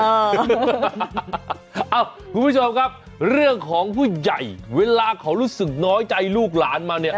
คุณผู้ชมครับเรื่องของผู้ใหญ่เวลาเขารู้สึกน้อยใจลูกหลานมาเนี่ย